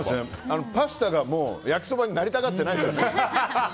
パスタが焼きそばになりたがってないんですよ。